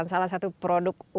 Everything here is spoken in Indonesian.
kita lihat dulu